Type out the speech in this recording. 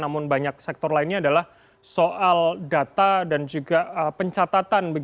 namun banyak sektor lainnya adalah soal data dan juga pencatatan